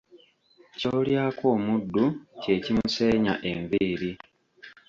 Ky'olyako omuddu, kye kimuseenya enviiri.